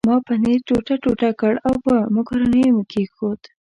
ما پنیر ټوټه ټوټه کړ او په مکرونیو مې کښېښود.